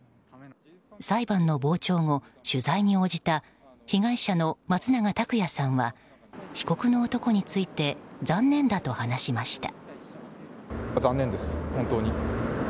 裁判の傍聴後、取材に応じた被害者の松永拓也さんは被告の男について残念だと話しました。